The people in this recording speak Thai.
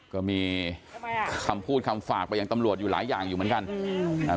ก็มีคำพูดคำฝากไปยังตำรวจอยู่หลายอย่างอยู่เหมือนกันอืมอ่า